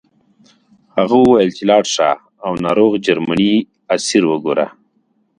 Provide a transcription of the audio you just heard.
هغه وویل چې لاړ شه او ناروغ جرمنی اسیر وګوره